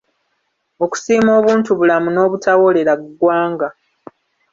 Okusiima obuntubulamu n’obutawoolera ggwanga